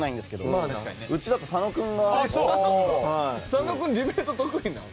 佐野君ディベート得意なん？